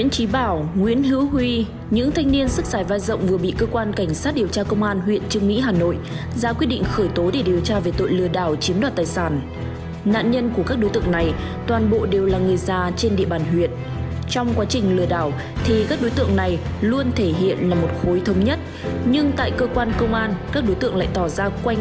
công an huyện trương mỹ